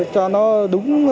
cho nó đúng